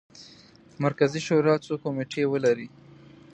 مرکزي شورا څو کمیټې ولري.